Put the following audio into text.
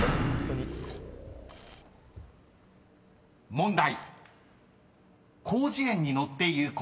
［問題］